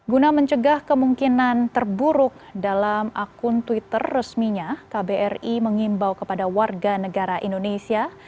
guna mencegah kemungkinan terburuk dalam akun twitter resminya kbri mengimbau kepada warga negara indonesia